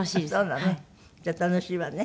じゃあ楽しいわね。